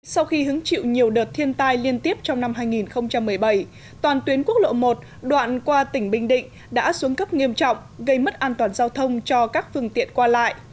sau khi hứng chịu nhiều đợt thiên tai liên tiếp trong năm hai nghìn một mươi bảy toàn tuyến quốc lộ một đoạn qua tỉnh bình định đã xuống cấp nghiêm trọng gây mất an toàn giao thông cho các phương tiện qua lại